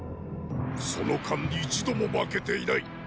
その間一度も負けていない。